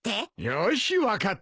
よし分かった。